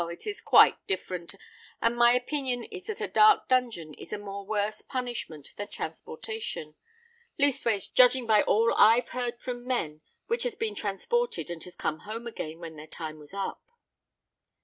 it is quite different; and my opinion is that a dark dungeon is a much worse punishment than transportation—leastways, judging by all I've heard from men which has been transported and has come home again when their time was up."